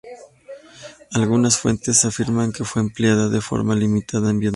Algunas fuentes afirman que fue empleada de forma limitada en Vietnam.